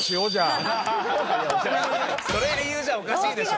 それ理由じゃおかしいでしょ。